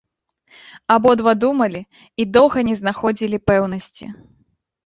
Абодва думалі і доўга не знаходзілі пэўнасці.